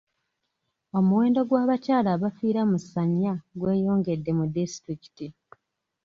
Omuwendo gw'abakyala abafiira mu ssanya gweyongedde mu disitulikiti.